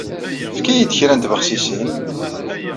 Efk-iyi-d kra n tbexsisin.